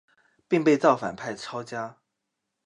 并被造反派抄家。